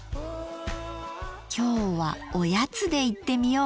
今日はおやつでいってみよう！